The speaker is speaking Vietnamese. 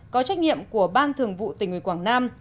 có trách nhiệm của ban thường vụ tỉnh ủy quảng nam